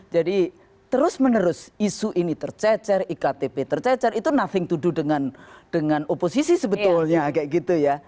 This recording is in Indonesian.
jadi terus menerus isu ini tercecer iktp tercecer itu nothing to do dengan oposisi sebetulnya